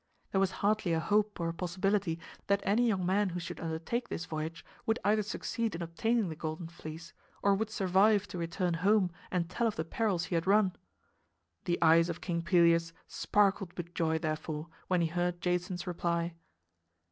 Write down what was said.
There was hardly a hope or a possibility that any young man who should undertake this voyage would either succeed in obtaining the Golden Fleece or would survive to return home and tell of the perils he had run. The eyes of King Pelias sparkled with joy, therefore, when he heard Jason's reply.